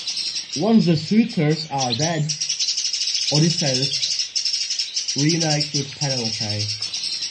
Once the suitors are dead, Odysseus reunites with Penelope.